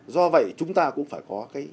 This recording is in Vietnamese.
do vậy chúng ta cũng phải có cái chiến lược